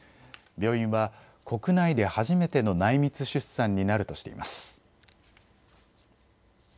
病院は国内で初めての内密出産になるとしています。